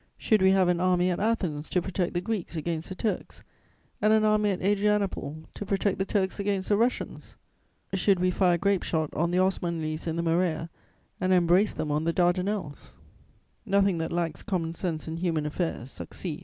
Should we have an army at Athens to protect the Greeks against the Turks, and an army at Adrianople to protect the Turks against the Russians? Should we fire grape shot on the Osmanlis in the Morea and embrace them on the Dardanelles? Nothing that lacks common sense in human affairs succeeds.